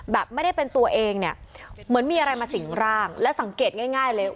แบบไม่ได้เป็นตัวเองเนี่ยเหมือนมีอะไรมาสิงร่างและสังเกตง่ายเลย